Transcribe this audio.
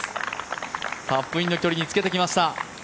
タップインの距離につけてきました。